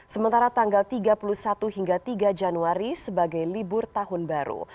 sementara tanggal tiga puluh satu hingga tiga januari sebagai libur tahun baru